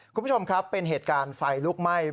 คุณผู้ชมครับเป็นเหตุการณ์ไฟลุกไหม้